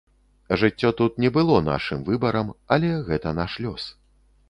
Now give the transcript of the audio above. Жыццё тут не было нашым выбарам, але гэта наш лёс.